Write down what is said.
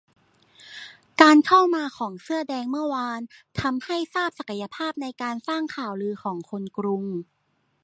การเข้ามาของเสื้อแดงเมื่อวานทำให้ทราบศักยภาพในการสร้างข่าวลือของคนกรุง